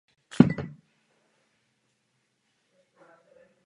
Pramení na jihovýchodních svazích Podolské vysočiny.